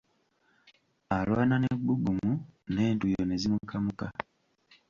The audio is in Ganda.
Alwana n'ebbugumu n'entuuyo ne zimukamuka.